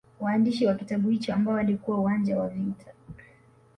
Waandishi wa kitabu hicho ambao walikuwa uwanja wa vita